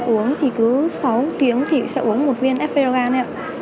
uống thì cứ sáu tiếng thì sẽ uống một viên effergan ạ